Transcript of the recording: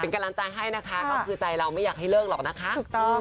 เป็นกำลังใจให้นะคะก็คือใจเราไม่อยากให้เลิกหรอกนะคะ